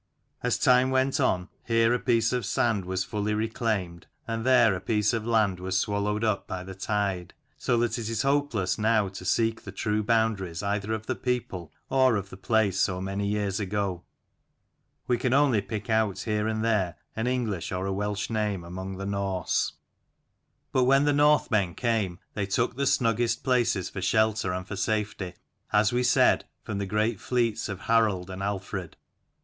As time went on, here a piece of sand was fully reclaimed, and there a piece of land was swallowed up by the tide. So that it is hopeless now to seek the true boundaries either of the people or of the place so many years ago : we can only pick out here and there an English or a Welsh name among the Norse. E 33 But when the Northmen came they took the snuggest places for shelter and for safety, as we said, from the great fleets of Harald and Alfred.